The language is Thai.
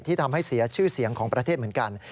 ทำให้เสียชื่อเสียงของประเทศเหมือนกัน